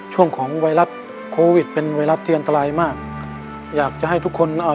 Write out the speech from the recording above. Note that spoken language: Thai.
ช่วงของไวรัสโควิดเป็นไวรัสที่อันตรายมากอยากจะให้ทุกคนอ่า